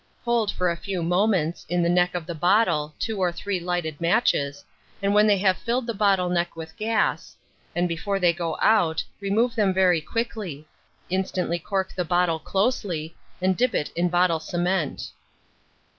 Hold for a few moments, in the neck of the bottle, two or three lighted matches, and when they have filled the bottle neck with gas, and before they go out, remove them very quickly; instantly cork the bottle closely, and dip it in bottle cement.